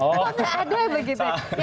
kok gak ada begitu ya